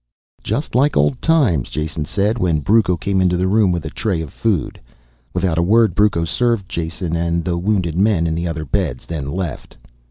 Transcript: "Just like old times," Jason said when Brucco came into the room with a tray of food. Without a word Brucco served Jason and the wounded men in the other beds, then left.